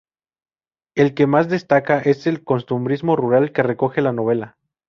El que más destaca es el costumbrismo rural que recoge la novela.